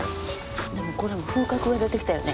でもこれも風格が出てきたよね。